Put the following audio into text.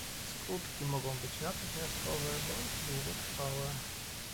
Skutki mogą być natychmiastowe, bądź długotrwałe